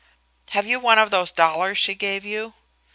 "Have you one of those dollars she gave you?"